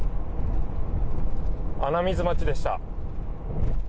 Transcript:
穴水町でした。